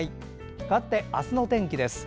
かわって、明日の天気です。